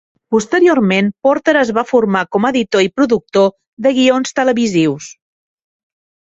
Posteriorment Porter es va formar com a editor i productor de guions televisius.